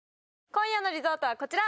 今夜のリゾートはこちら！